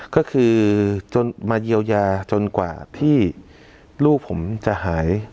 ก็คือจนมาเยียวยาจนกว่าที่ลูกผมจะหาย